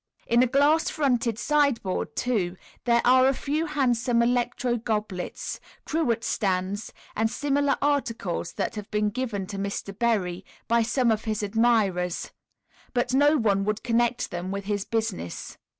In a glass fronted sideboard, too, there are a few handsome electro goblets, cruet stands and similar articles that have been given to Mr. Berry by some of his admirers, but no one would connect them with his business.